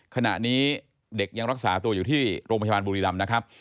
ขณะนี้เด็กยังรักษาตัวอยู่ที่โรงพยาบาลบุรีรำนะครับ